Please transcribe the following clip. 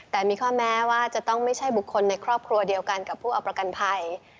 แต่มีข้อแม้ว่าจะต้องไม่ใช่บุคคลในครอบครัวเดียวกันกับผู้เอาประกันภัย